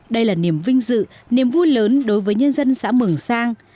đây là niềm vinh dự niềm vui lớn đối với nhân dân xã mường sang